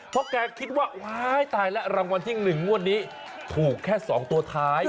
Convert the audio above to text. เพราะแกคิดว่าว้ายตายแล้วรางวัลที่๑งวดนี้ถูกแค่๒ตัวท้าย